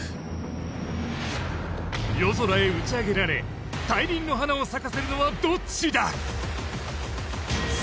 夜空へ打ち上げられ大輪の花を咲かせるのはどっちだ？